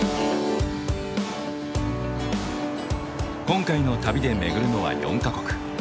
今回の旅で巡るのは４か国。